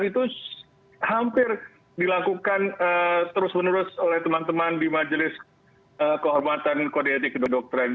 itu hampir dilakukan terus menerus oleh teman teman di majelis kehormatan kode etik kedodokteran